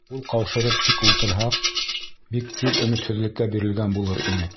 Ҡул ҡаушырып тик ултырһаҡ, бик тиҙ өмөтһөҙлөккә бирелгән булыр инек.